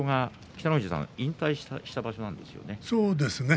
北の富士さん引退した場所だったんですね。